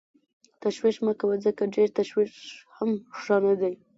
تشویش مه کوه ځکه ډېر تشویش هم ښه نه دی.